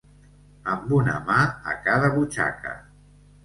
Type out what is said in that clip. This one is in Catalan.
Amb una mà a cada butxaca.